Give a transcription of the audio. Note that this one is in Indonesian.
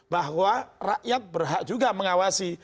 bahwa rakyat berhak juga mengawasi